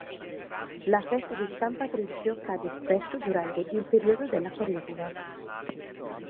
La festa di san Patrizio cade spesso durante il periodo della Quaresima.